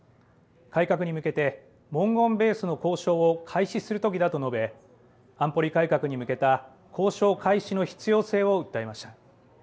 改革に向けて文言ベースの交渉を開始するときだと述べ安保理改革に向けた交渉開始の必要性を訴えました。